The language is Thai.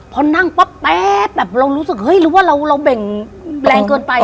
พอนั่งปั๊บแป๊บแบบเรารู้สึกเฮ้ยหรือว่าเราเบ่งแรงเกินไป